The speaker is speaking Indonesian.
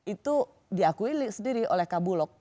itu diakui sendiri oleh kabulok